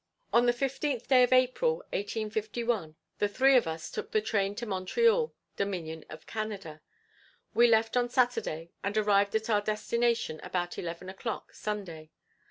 On the fifteenth day of April, 1851, the three of us took the train to Montreal, Dominion of Canada. We left on Saturday and arrived at our destination about eleven o'clock Sunday.